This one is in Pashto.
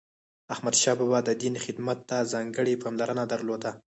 احمدشاه بابا د دین خدمت ته ځانګړی پاملرنه درلوده.